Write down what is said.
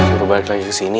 suruh balik lagi ke sini